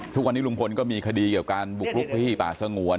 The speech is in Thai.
ทุกวันนี้ลุงพลก็มีคดีเกี่ยวการบุกลุกพื้นที่ป่าสงวน